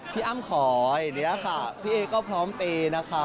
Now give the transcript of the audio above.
พี่อ้ำขออย่างนี้ค่ะพี่เอ๊ก็พร้อมเปย์นะคะ